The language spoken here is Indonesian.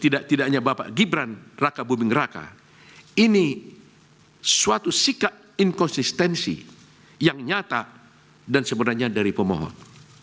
tidak tidaknya bapak gibran raka buming raka ini suatu sikap inkonsistensi yang nyata dan sebenarnya dari pemohon